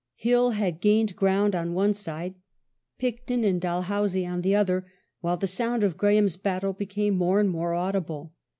Hill had gained ground on one side, Picton and Dalhousie on the other, while the sound of Graham's battle became more and more audible.